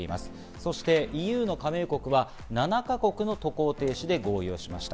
そしてＥＵ加盟国は７か国の渡航停止で合意しました。